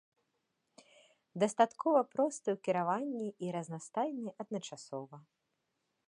Дастаткова просты ў кіраванні і разнастайны адначасова.